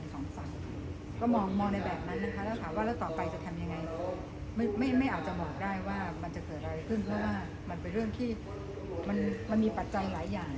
สองฝั่งก็มองในแบบนั้นนะคะแล้วถามว่าแล้วต่อไปจะทำยังไงไม่ไม่อาจจะบอกได้ว่ามันจะเกิดอะไรขึ้นเพราะว่ามันเป็นเรื่องที่มันมีปัจจัยหลายอย่าง